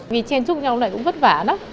vì trên chung nhau lại cũng vất vả lắm